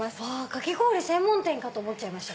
かき氷専門店かと思いました。